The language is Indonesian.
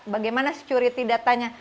bagaimana security datanya